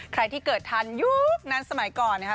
ใครที่เกิดทันยุคนั้นสมัยก่อนนะครับ